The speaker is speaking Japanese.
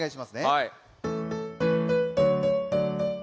はい。